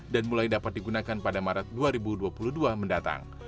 dan mulai dapat digunakan pada maret dua ribu dua puluh dua mendatang